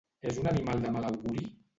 És un animal de mal auguri?